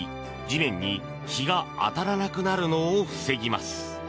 地面に日が当たらなくなるのを防ぎます。